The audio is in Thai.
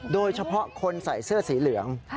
โดยเฉพาะคนใส่เสื้อสีเหลือง